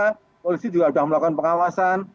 aturan sudah ada polisi juga sudah melakukan pengawasan